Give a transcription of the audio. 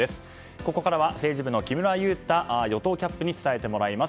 ここからは政治部の木村祐太与党キャップに伝えてもらいます。